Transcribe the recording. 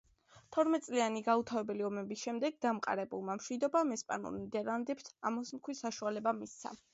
თორმეტწლიანი გაუთავებელი ომების შემდეგ დამყარებულმა მშვიდობამ ესპანურ ნიდერლანდებს ამოსუნთქვის საშუალება მისცა.